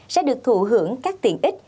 sẽ được thụ hưởng các tiện trình